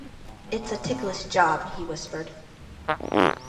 "It's a ticklish job," he whispered.